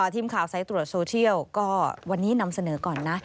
ทีมข่าวสายตรวจโซเชียลก็วันนี้นำเสนอก่อนนะ